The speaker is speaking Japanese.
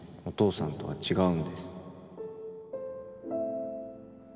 お父さんとは違うんです。